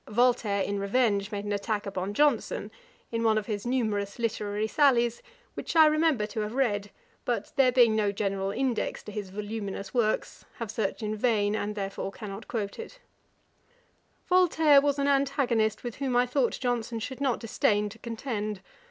Voltaire, in revenge, made an attack upon Johnson, in one of his numerous literary sallies, which I remember to have read; but there being no general index to his voluminous works, have searched in vain, and therefore cannot quote it. Voltaire was an antagonist with whom I thought Johnson should not disdain to contend.